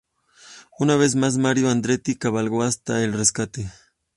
Una vez más, Mario Andretti, cabalgó hasta el rescate.